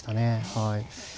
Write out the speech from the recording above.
はい。